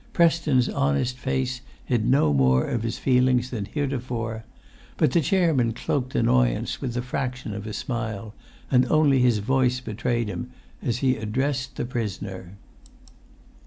Preston's honest face hid no more of his feelings than heretofore, but the chairman cloaked annoyance with the fraction of a smile, and only his voice betrayed him as he addressed the prisoner.